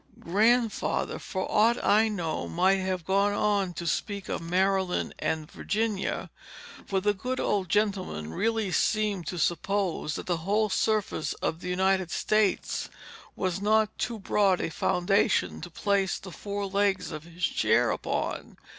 Grandfather, for aught I know, might have gone on to speak of Maryland and Virginia; for the good old gentleman really seemed to suppose, that the whole surface of the United States was not too broad a foundation to place the four legs of his chair upon.